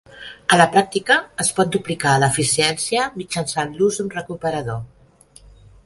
A la pràctica, es pot duplicar l'eficiència mitjançant l'ús d'un recuperador.